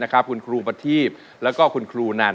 คุณครูประทีพแล้วก็คุณครูนั้น